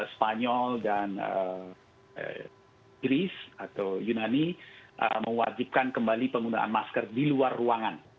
spanyol dan inggris atau yunani mewajibkan kembali penggunaan masker di luar ruangan